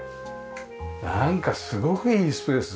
なんかすごくいいスペース。